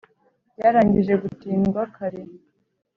ryarangije gutindwa kare